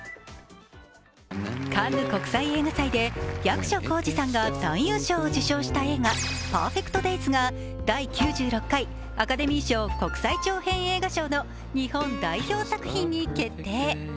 カンヌ国際映画祭で役所広司さんが男優賞を受賞した映画、「ＰＥＲＦＥＣＴＤＡＹＳ」が第９６回アカデミー賞国際長編映画賞の日本代表作品に決定。